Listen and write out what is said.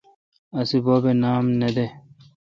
اسی بب اے نام نہ دے۔